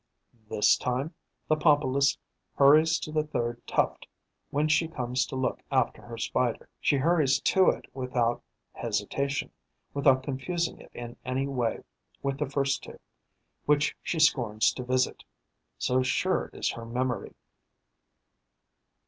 This time, the Pompilus hurries to the third tuft when she comes to look after her Spider; she hurries to it without hesitation, without confusing it in any way with the first two, which she scorns to visit, so sure is her memory.